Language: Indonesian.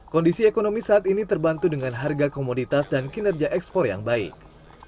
kondisi ekonomi saat ini terbantu dengan harga komoditas dan kinerja ekspor yang baik